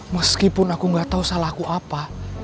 meskipun aku gak tau salah aku apa